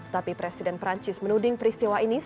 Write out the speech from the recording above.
tapi presiden perancis menuding peristiwa ini